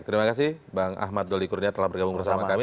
terima kasih bang ahmad doli kurnia telah bergabung bersama kami